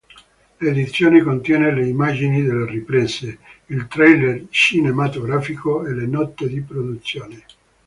L'edizione contiene le immagini delle riprese, il trailer cinematografico e le note di produzione.